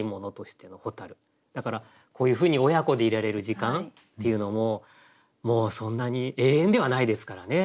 だからこういうふうに親子でいられる時間っていうのももうそんなに永遠ではないですからね。